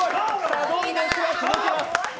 サドンデスが続きます。